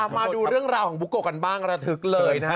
มาดูเรื่องราวของบุโกะกันบ้างระทึกเลยนะฮะ